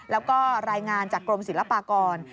แล้วก็รายงานจากกรมศิลปากร